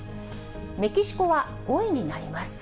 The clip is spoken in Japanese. メキシコは５位になります。